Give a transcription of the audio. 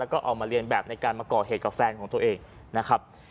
ก็เอามาเรียนแบบในการมาก่อเหตุกับแฟนของตัวเองนะครับ